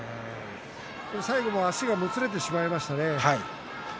最後も足がもつれてしまいましたね。